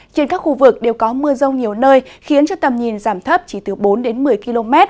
trên các khu vực đều có mưa rông nhiều nơi khiến cho tầm nhìn giảm thấp chỉ từ bốn đến một mươi km